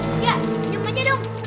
siap pinjam aja dong